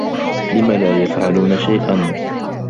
لم لا يفعلون شيئا؟